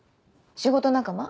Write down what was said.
仕事仲間？